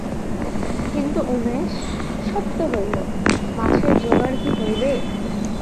কিন্তু উমেশ, সব তো হইল, মাছের জোগাড় কি হইবে?